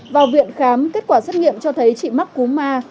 vào viện khám kết quả xét nghiệm cho thấy trị mắc cúm a